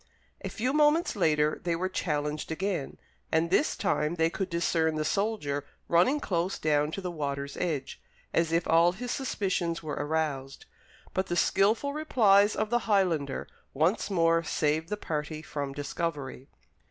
A few moments later, they were challenged again, and this time they could discern the soldier running close down to the water's edge, as if all his suspicions were aroused; but the skilful replies of the Highlander once more saved the party from discovery.